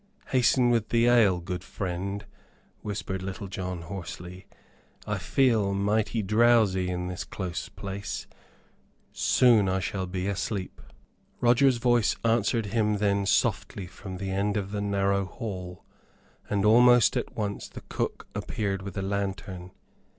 "Hasten with the ale, good friend," whispered Little John, hoarsely. "I feel mighty drowsy in this close place; soon I shall be asleep." Roger's voice answered him then softly from the end of the narrow hall, and almost at once the cook appeared with a lantern.